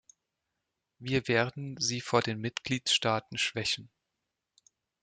Wir werden Sie vor den Mitgliedstaaten schwächen.